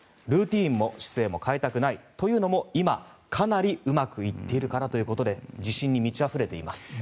ルーティンも姿勢も変えたくないというのも今、かなりうまくいっているからということで自信に満ちあふれています。